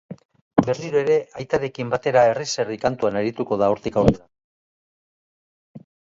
Berriro ere aitarekin batera herriz-herri kantuan arituko da hortik aurrera.